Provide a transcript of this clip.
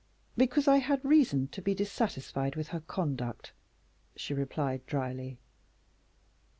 "Because I had reason to be dissatisfied with her conduct," she replied, dryly.